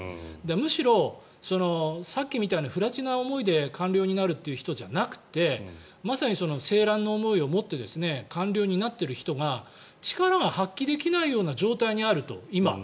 むしろ、さっきみたいな不埒な思いで官僚になるという人じゃなくてまさに青蘭の思いを持って官僚になっている人が力が発揮できないような状態にあると。